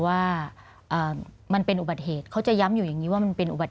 ว่ามันเป็นอุบัติเหตุเขาจะย้ำอยู่อย่างนี้ว่ามันเป็นอุบัติ